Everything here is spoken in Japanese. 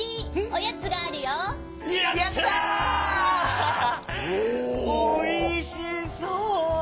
おいしそう。